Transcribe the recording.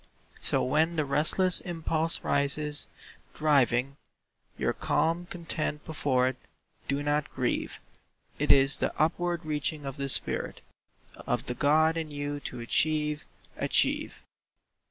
So when the restless impulse rises, driving Your calm content before it, do not grieve; It is the upward reaching of the spirit Of the God in you to achieve—achieve.